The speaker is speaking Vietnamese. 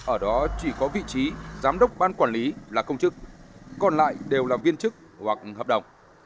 ở đó chỉ có vị trí giám đốc ban quản lý là công chức còn lại đều là viên chức hoặc hợp đồng